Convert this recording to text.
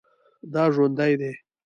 دا ژوندی دی